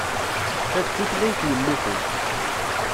Ta d tutlayt yemmuten.